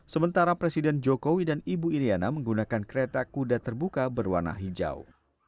sementara presiden jokowi dan ibu iryana menggunakan kereta kuda terbuka berwarna hijau